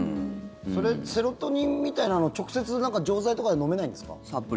それセロトニンみたいなの直接、錠剤とかで飲めないんですか？